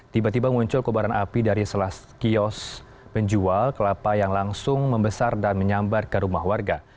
tiba tiba muncul kebaran api dari selas kios penjual kelapa yang langsung membesar dan menyambar ke rumah warga